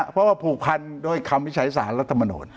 เพราะว่าผูกพันด้วยคำวิจัยสารรัฐมนุน